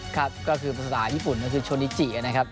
ครับก็คือภาษาญี่ปุ่นก็คือโชนิจินะครับ